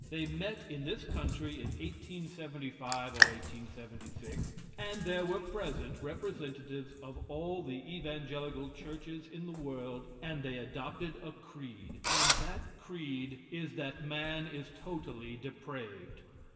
They met in this country in 1875 or 1876, and there were present representatives of all the evangelical churches in the world, and they adopted a creed, and that creed is that man is totally depraved.